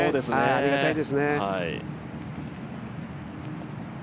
ありがたいですね。